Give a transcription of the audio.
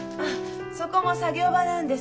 そこも作業場なんです。